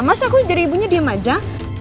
mas aku jadi ibunya diem aja